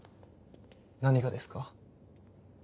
何がですか？